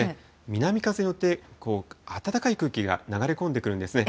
南風に乗って暖かい空気が流れ込んでくるんですね。